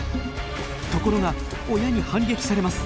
ところが親に反撃されます。